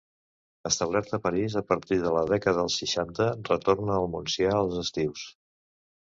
Establert a París, a partir de la dècada dels seixanta retorna al Montsià als estius.